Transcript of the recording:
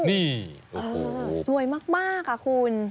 นี่สวยมากค่ะคุณ